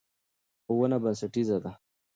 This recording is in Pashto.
ښوونه بنسټیزه ده.